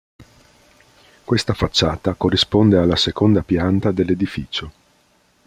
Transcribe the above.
Questa facciata corrisponde alla seconda pianta dell'edificio.